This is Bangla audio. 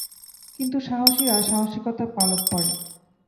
কিন্তু সাহসীরা সাহসীকতার পালক পরে।